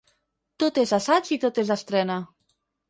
Tot és assaig i tot és estrena.